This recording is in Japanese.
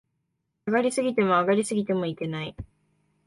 下がり過ぎても、上がり過ぎてもいけない